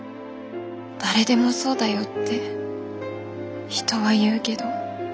誰でもそうだよって人は言うけど。